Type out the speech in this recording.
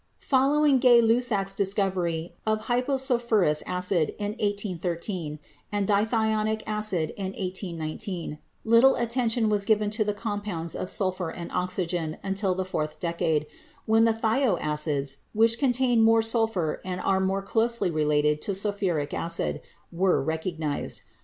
Following Gay Lussac's discovery of "hyposulphurous acid" in 1813 and dithionic acid in 1819, little attention was given to the compounds of sulphur and oxygen until the fourth decade, when the thio acids, which contain more sulphur and are more closely related to sulphuric acid, were recognized.